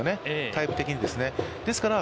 タイプ的にですね。